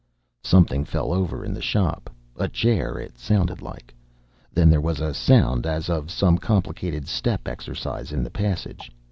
Something fell over in the shop: a chair, it sounded like. Then there was a sound as of some complicated step exercise in the passage.